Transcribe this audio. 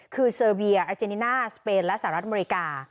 คือเซอร์เวียอาเจนิน่าสเปนและสหรัฐอเมริกา